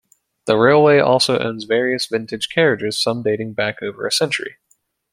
The railway also owns various vintage carriages, some dating back over a century.